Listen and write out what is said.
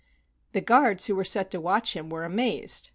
The guards who were set to watch him were amazed.